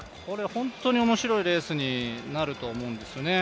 本当に面白いレースになると思うんですよね。